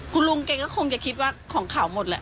คุณลุงแกก็คงจะคิดว่าของเขาหมดแหละ